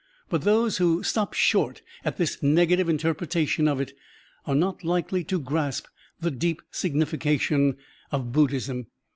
But those who stop short at this negative interpretation of it are not likely to grasp the deep signification of Buddhism.